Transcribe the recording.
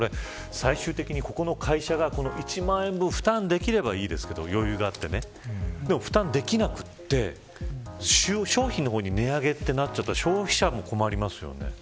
最終的にここの会社が１万円を負担できればいいですけど余裕があってでも、負担できなくて商品の方が値上げとなったら消費者も困りますよね。